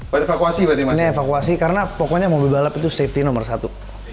buat evakuasi berarti mas ini evakuasi karena pokoknya mobil balap itu safety nomor satu